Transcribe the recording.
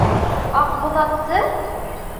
Аҡбуҙатты?